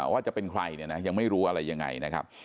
ว่าจะเป็นใครเนี่ยนะยังไม่รู้อะไรยังไงนะครับ